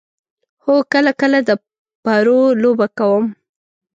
هو، کله کله د پرو لوبه کوم